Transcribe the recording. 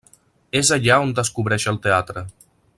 És allà on descobreix el teatre.